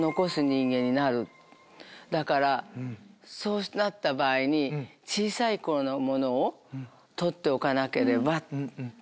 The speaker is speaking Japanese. だからそうなった場合に小さい頃のものを取っておかなければって。